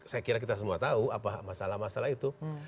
saya kira kita semua tahu apa masalah masalah itu